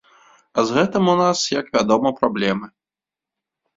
А з гэтым у нас, як вядома, праблемы.